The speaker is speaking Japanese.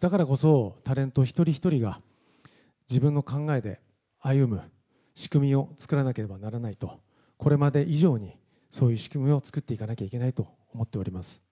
だからこそ、タレント一人一人が、自分の考えで歩む仕組みを作らなければならないと、これまで以上に、そういう仕組みを作っていかなきゃいけないと思っております。